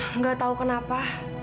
enggak tahu kenapa